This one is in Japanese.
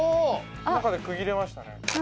中で区切れましたね簡単に？